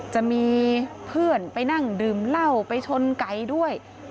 จะมีเพื่อนไปนั่งดื่มเหล้าไปชนไก่ด้วย